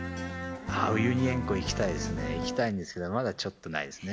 ウユニ塩湖行きたいですね、行きたいんですけど、まだちょっとないですね。